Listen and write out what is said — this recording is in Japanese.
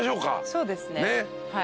そうですねはい。